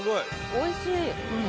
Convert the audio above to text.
おいしい！